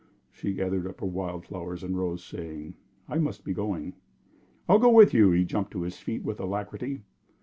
She gathered up her wild flowers and rose, saying: "I must be going." "I'll go with you." He jumped to his feet with alacrity.